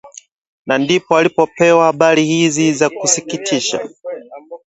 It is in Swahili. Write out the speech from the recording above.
na ndipo alipopewa habari hizi za kusikitisha